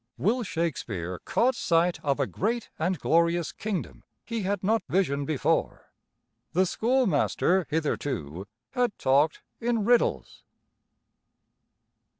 Will Shakespeare caught sight of a great and glorious kingdom he had not visioned before. The schoolmaster hitherto had talked in riddles.